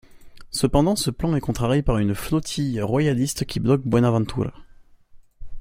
Cependant ce plan est contrarié par une flottille royaliste qui bloque Buenaventura.